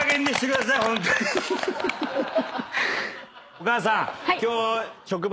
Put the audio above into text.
お母さん。